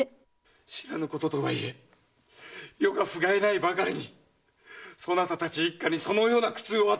知らぬ事とはいえ余が腑甲斐ないばかりにそなたたち一家にそのような苦痛を与えていたのか！